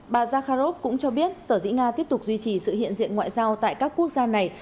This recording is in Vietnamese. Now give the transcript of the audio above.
bà zakharov cũng cho biết sở dĩ nga tiếp tục duy trì sự hiện diện ngoại giao tại các quốc gia này